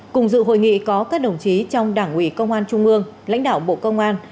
cùng dự hội nghị có các đồng chí trong đảng ủy công an trung ương lãnh đạo bộ công an